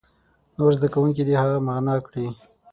نور زده کوونکي دې هغه معنا کړي.